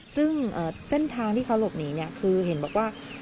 ซึ่งเส้นทางที่เขาหลบหนีเนี่ยคือเห็นบอกว่า